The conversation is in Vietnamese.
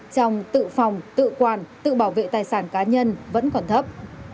trong tự phòng tự quản tự bảo vệ tài sản cá nhân vẫn còn thấp